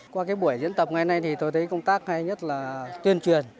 qua buổi diễn tập ngày nay tôi thấy công tác hay nhất là tuyên truyền